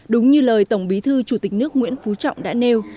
đúng như lời tổng bí thư chủ tịch nước nguyễn phú trọng đã nêu